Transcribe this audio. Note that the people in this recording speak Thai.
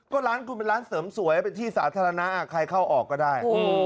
ก็ร้านคุณเป็นร้านเสริมสวยเป็นที่สาธารณะใครเข้าออกก็ได้